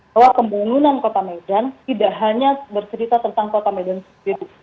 bahwa pembangunan kota medan tidak hanya bercerita tentang kota medan sendiri